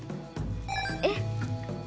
えっ！